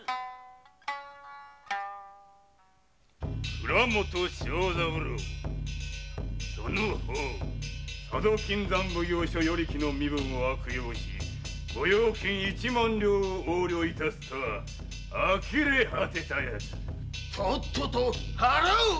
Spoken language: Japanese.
「倉本正三郎その方佐渡金山奉行所与力の身分を悪用し御用金一万両を横領致すとはあきれ果てたヤツ」「とっとと腹を切れ！」